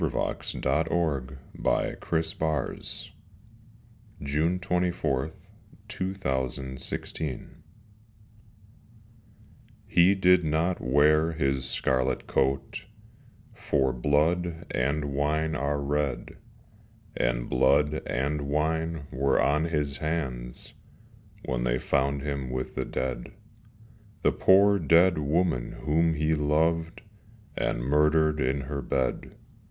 Prison Reading, Berkshire July 7th, 1896 THE BALLAD OF READING GAOL I HE did not wear his scarlet coat, For blood and wine are red, And blood and wine were on his hands When they found him with the dead, The poor dead woman whom he loved, And murdered in her bed.